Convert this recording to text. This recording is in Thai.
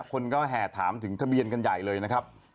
คนก็แห่ถามถึงทะเบียนกันใหญ่เลยนะครับ